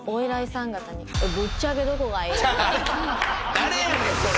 誰やねんそれ！